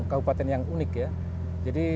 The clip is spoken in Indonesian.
kabupaten yang unik ya jadi